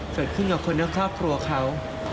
เกิดขึ้นกับคนในครอบครัวเขา